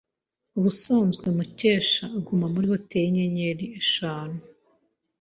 Ubusanzwe Mukesha aguma muri hoteri yinyenyeri eshanu.